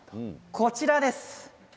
こちらです。